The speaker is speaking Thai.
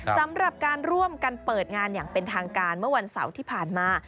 สำหรับการร่วมกันเปิดงานอย่างเป็นทางการเมื่อวันเสาร์ที่ผ่านมา